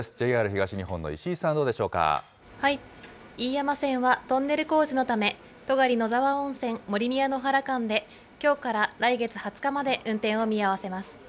ＪＲ東日本の石井さん、どうでし飯山線はトンネル工事のため、戸狩野沢温泉・森宮野原間で、きょうから来月２０日まで運転を見合わせます。